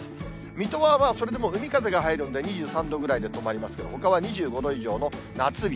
水戸はまあ、それでも海風が入るんで、２３度ぐらいで止まりますけども、ほかは２５度以上の夏日。